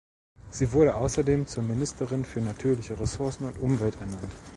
Sie wurde außerdem zur Ministerin für natürliche Ressourcen und Umwelt ernannt.